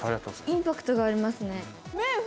インパクトがありますね。